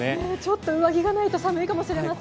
上着がないと寒いかもしれません。